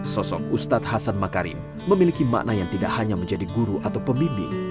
sosok ustadz hasan makarim memiliki makna yang tidak hanya menjadi guru atau pembimbing